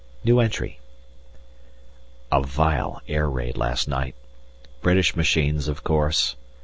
A vile air raid last night. British machines, of course.